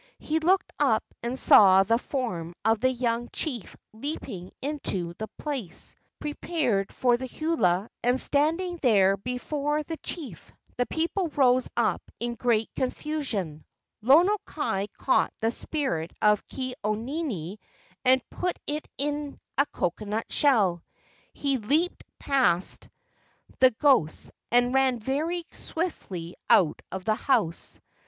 He looked up and saw the form of the young chief leaping into the place prepared for the hula and standing there before the chief. The people rose up in great confu¬ sion. Lono kai caught the spirit of Ke au nini and put it in a coconut shell. He leaped past the ghosts, and ran very swiftly out of the house.